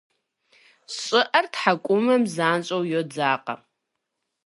Щӏыӏэр тхьэкӏумэм занщӏэу йодзакъэ.